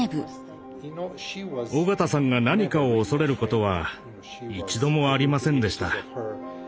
緒方さんが何かを恐れることは一度もありませんでした。